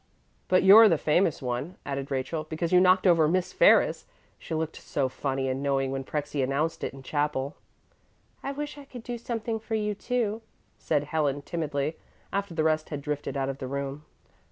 "But you're the famous one," added Rachel, "because you knocked over Miss Ferris. She looked so funny and knowing when Prexy announced it in chapel." "I wish I could do something for you too," said Helen timidly, after the rest had drifted out of the room.